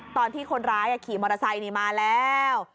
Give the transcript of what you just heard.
ตอนที่คนร้ายขี่มอเตอร์ไซค์มาแล้ว